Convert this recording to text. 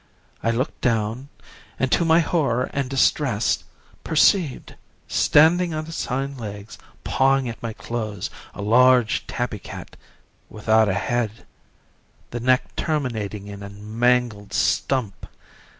I looked down, and to my horror and distress, perceived, standing on its hind legs, pawing my clothes, a large, tabby cat, without a head the neck terminating in a mangled stump.